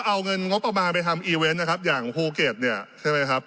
เอาเงินงบประมาณไปทำอีเวนต์นะครับอย่างภูเก็ตเนี่ยใช่ไหมครับ